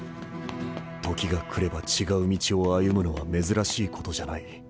時が来れば違う道を歩むのは珍しいことじゃない。